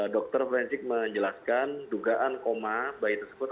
dokter forensik menjelaskan dugaan koma bayi tersebut